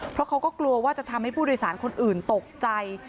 เพราะเขาก็กลัวว่าจะทำให้ผู้โดยสารคนอื่นตกใจ